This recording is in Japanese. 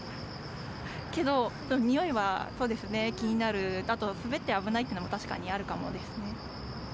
けど、臭いはそうですね、気になる、あと滑って危ないというのも確かにあるかもですね。